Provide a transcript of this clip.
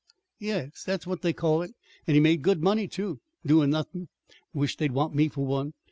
"Yes; that's what they called it. And he made good money, too, doin' nothin'. Wish't they'd want me for one!